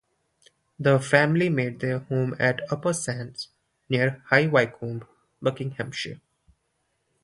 The family made their home at Upper Sands, near High Wycombe, Buckinghamshire.